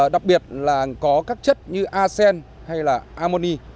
đặc biệt là có các chất như arsen hay là ammoni